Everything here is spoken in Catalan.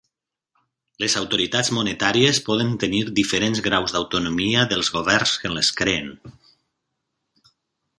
Les autoritats monetàries poden tenir diferents graus d'autonomia dels governs que les creen.